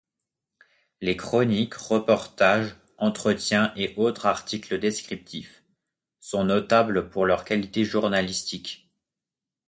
Les chroniques, reportages, entretiens et autres articles descriptifs sont notables pour leur qualité journalistique.